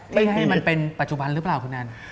ไม่ให้มันเป็นปัจจุบันหรือเปล่าคุณแอน